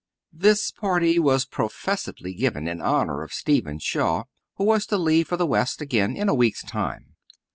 This party was professedly given in honour of Stephen Shaw, who was to leave for the west again in a week's time.